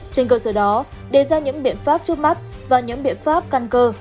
trên cơ sở đó đề ra những biện pháp trước mắt và những biện pháp căn cơ